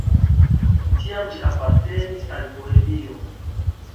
Tiam ĝi apartenis al Bohemio.